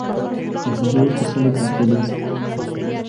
په حجرو کې خلک راټولیږي.